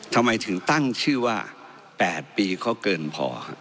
ทำไมถึงตั้งชื่อว่า๘ปีเขาเกินพอครับ